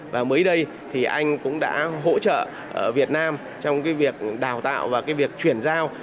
và mới đây thì anh cũng đã hỗ trợ việt nam trong cái việc đào tạo và cái việc chuyển giao